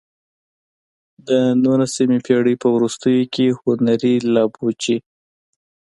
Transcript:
د نولسمې پېړۍ په وروستیو کې هنري لابوچي.